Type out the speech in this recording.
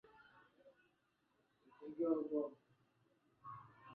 zinazotokana na vifo vinavyosababishwa na uchafuzi wa mazingira